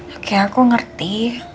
oke aku ngerti